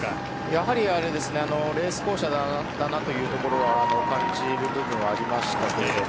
やはりレース後者だなというところは感じる部分がありました。